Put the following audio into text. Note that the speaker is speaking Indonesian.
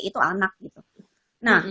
itu anak gitu nah